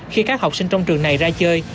khi các học sinh trong trường này ra chơi